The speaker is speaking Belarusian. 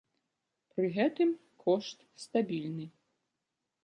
Пры гэтым, кошт стабільны.